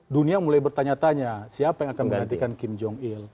dunia mulai bertanya tanya siapa yang akan menggantikan kim jong il